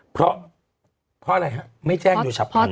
เพราะพออะไรครับไม่แจ้งอยู่ชัดพันธุ์